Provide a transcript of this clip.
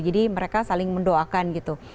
jadi mereka saling mendoakan gitu